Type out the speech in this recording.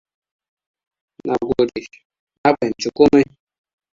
Na gode, na fahimci komai.